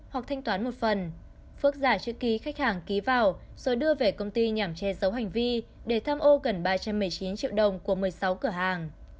hoặc thanh toán một phần phước giả chữ ký khách hàng ký vào rồi đưa về công ty nhằm che giấu hành vi để tham ô gần ba trăm một mươi chín triệu đồng của một mươi sáu cửa hàng